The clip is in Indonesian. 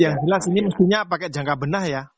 yang jelas ini mestinya pakai jangka benah ya